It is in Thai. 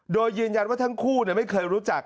โดยยืนยันว่าทั้งคู่ไม่เคยรู้จัก